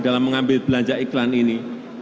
dalam mengambil belanja iklan ini